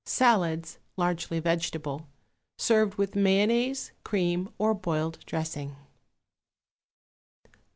SALADS, LARGELY VEGETABLE, SERVED WITH MAYONNAISE, CREAM OR BOILED DRESSING.